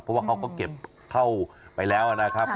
เพราะว่าเขาก็เก็บเข้าไปแล้วนะครับ